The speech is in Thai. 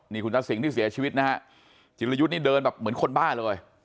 นี่คุณตาสิงห์ที่เสียชีวิตนะฮะจิลยุทธ์นี่เดินแบบเหมือนคนบ้าเลย